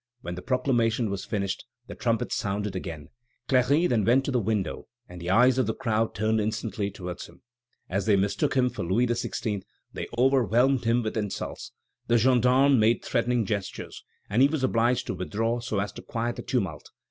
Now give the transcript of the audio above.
When the proclamation was finished, the trumpets sounded again. Cléry then went to the window, and the eyes of the crowd turned instantly towards him. As they mistook him for Louis XVI., they overwhelmed him with insults. The gendarmes made threatening gestures, and he was obliged to withdraw so as to quiet the tumult.